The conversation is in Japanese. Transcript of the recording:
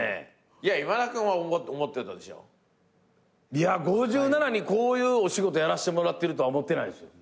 いや５７にこういうお仕事やらせてもらってるとは思ってないです。